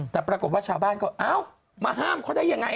แต่ปรากฏว่าชาวบ้านก็เอ้ามาห้ามเขาได้ยังไง